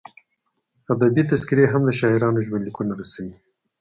ادبي تذکرې هم د شاعرانو ژوندلیکونه رسوي.